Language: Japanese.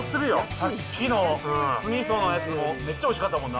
さっきの酢みそのやつもめっちゃおいしかったもんな。